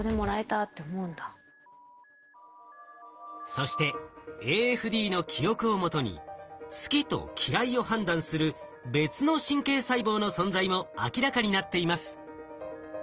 そしてＡＦＤの記憶をもとに好きと嫌いを判断する別の神経細胞の存在も明らかになっています。